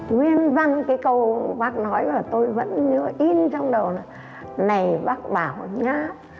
nguyên văn cái câu bác nói và tôi vẫn nhớ in trong đầu là này bác bảo nha